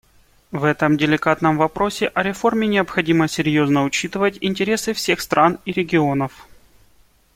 В этом деликатном вопросе о реформе необходимо серьезно учитывать интересы всех стран и регионов.